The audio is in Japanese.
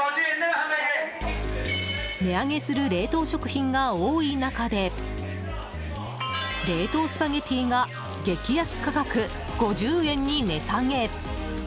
値上げする冷凍食品が多い中で冷凍スパゲティが激安価格、５０円に値下げ！